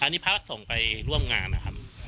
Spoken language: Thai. อันนี้พระส่งไปร่วมงานนะครับ